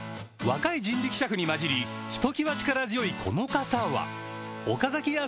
若い人力車夫に交じりひときわ力強いこの方は岡崎屋